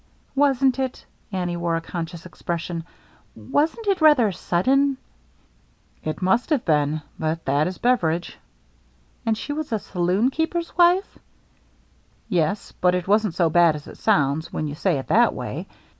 " Wasn't it —" Annie wore a conscious ex pression —" wasn't it rather sudden ?"" It must have been. But that is Beveridge." " And she was a saloon keeper's wife ?" "Yes, — but it wasn't so bad as it sounds when you say it that way.